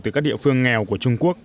từ các địa phương nghèo của trung quốc